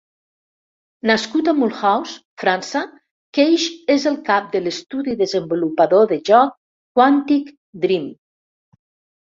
Nascut a Mulhouse, França, Cage es el cap de l'estudi desenvolupador de joc "Quantic Dream".